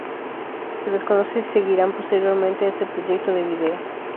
Se desconoce si seguirán posteriormente a este proyecto de vídeo.